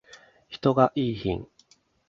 人がいーひん